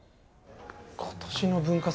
今年の文化祭